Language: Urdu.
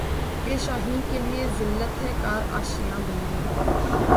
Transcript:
کہ شاہیں کیلئے ذلت ہے کار آشیاں بندی